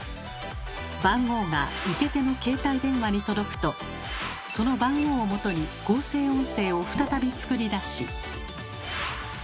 番号が受け手の携帯電話に届くとその番号をもとに合成音声を再び作り出し。